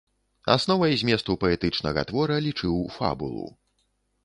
Асновай зместу паэтычнага твора лічыў фабулу.